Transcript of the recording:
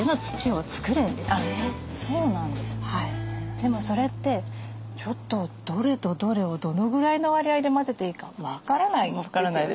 でもそれってちょっとどれとどれをどのぐらいの割合で混ぜていいか分からないですよね。